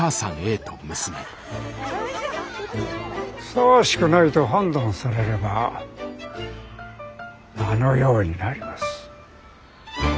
ふさわしくないと判断されればあのようになります。